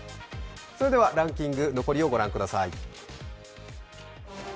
ランキング、残りをご覧ください。